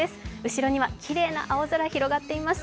後ろにはきれいな青空広がっています。